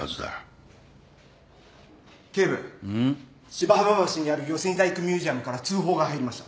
芝浜橋にある寄木細工ミュージアムから通報が入りました。